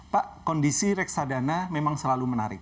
pak kondisi reksadana memang selalu menarik